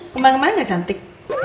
kemarin kemarin gak cantik